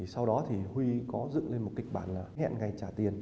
sau đó thì huy có dựng lên một kịch bản là hẹn ngày trả tiền